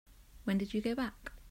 When did you get back?